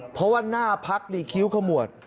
เพราะว่าหน้าพักนี่คิ้วขมวด